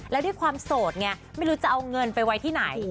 แล้วด้วยความโสดไงไม่รู้จะเอาเงินไปไว้ที่ไหน